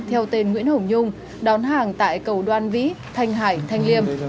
theo tên nguyễn hồng nhung đón hàng tại cầu đoan vĩ thanh hải thanh liêm